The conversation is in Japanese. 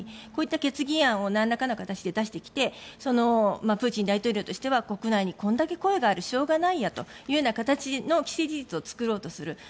こういった決議案をなんらかの形で出してきてプーチン大統領としては国内にこれだけ声があるしょうがないやという形の既成事実を作ろうとする。